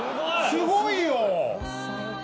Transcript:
すごいよ。